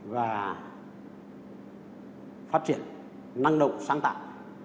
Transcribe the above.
và phát triển năng động sáng tạo